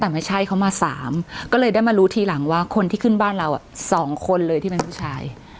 แต่ไม่ใช่เขามา๓ก็เลยได้มารู้ทีหลังว่าคนที่ขึ้นบ้านเราสองคนเลยที่เป็นผู้ชาย